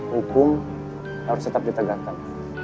hukum harus tetap ditegakkan